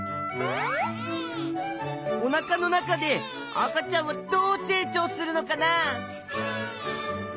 おなかの中で赤ちゃんはどう成長するのかな？